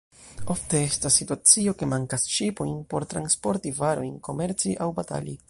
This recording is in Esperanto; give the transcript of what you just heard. Ofte estas situacio, ke mankas ŝipojn por transporti varojn, komerci aŭ batali.